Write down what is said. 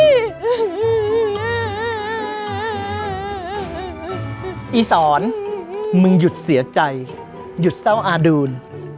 อีสอนมึงหยุดเสียใจหยุดเศร้าอาดูล